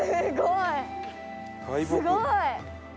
すごい！